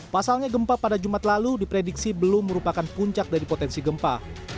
pasalnya gempa pada jumat lalu diprediksi belum merupakan puncak dari potensi gempa